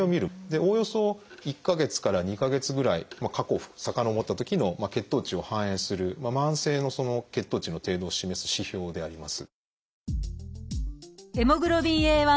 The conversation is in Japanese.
おおよそ１か月から２か月ぐらい過去遡ったときの血糖値を反映する慢性の血糖値の程度を示す指標であります。